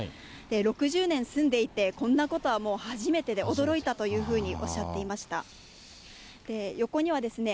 ６０年住んでいて、こんなことはもう初めてで、驚いたというふうにおっしゃっていました。